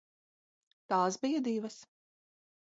Tās bija divas.